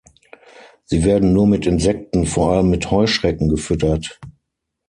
Sie werden nur mit Insekten, vor allem mit Heuschrecken gefüttert.